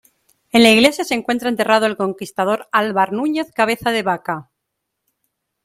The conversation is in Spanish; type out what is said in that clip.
En la iglesia se encuentra enterrado el conquistador Álvar Núñez Cabeza de Vaca.